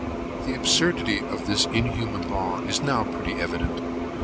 The absurdity of this inhuman law is now pretty evident.